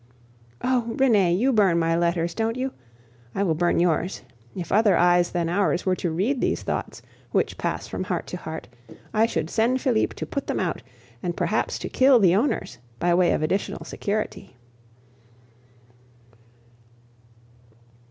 Oh! Renee, you burn my letters, don't you? I will burn yours. If other eyes than ours were to read these thoughts which pass from heart to heart, I should send Felipe to put them out, and perhaps to kill the owners, by way of additional security.